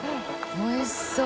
おいしそう！